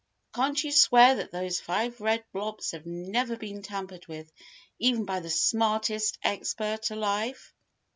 Can't you swear that those five red blobs have never been tampered with, even by the smartest expert alive?"